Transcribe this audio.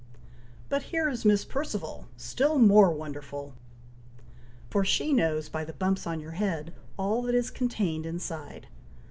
"But here is Miss Perceval, still more wonderful; for she knows by the bumps on your head, all that is contained inside.